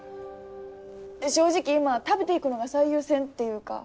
正直今食べていくのが最優先っていうか。